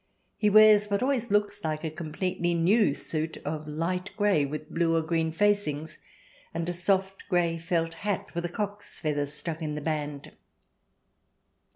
He wears what always looks like a com pletely new suit of light grey, with blue or green facings, and a soft grey felt hat with a cock's feather stuck in the band.